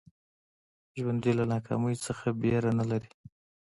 ژوندي له ناکامۍ نه ویره نه لري